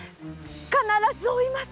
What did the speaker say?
必ず追います。